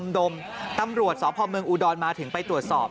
ดมตำรวจสพมอุดรมาถึงไปตรวจสอบ